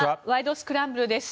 スクランブル」です。